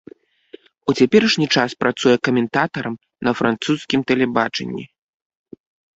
У цяперашні час працуе каментатарам на французскім тэлебачанні.